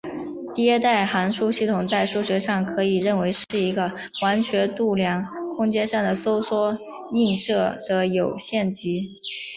迭代函数系统在数学上可以认为是一个完全度量空间上的收缩映射的有限集。